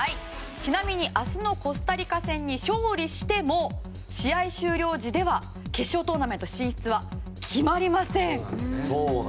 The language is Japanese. ちなみに明日のコスタリカ戦に勝利しても試合終了時では決勝トーナメント進出は決まりません。